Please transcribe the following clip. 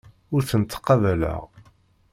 Ur tent-ttqabaleɣ.